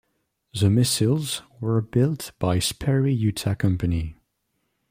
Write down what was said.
The missiles were built by Sperry Utah Company.